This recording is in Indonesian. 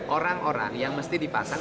orang orang yang mesti dipasang